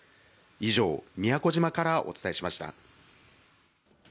以上、宮古島からお伝えしました。